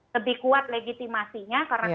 lebih kuat legitimasinya karena